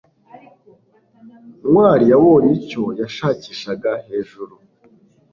ntwali yabonye icyo yashakishaga hejuru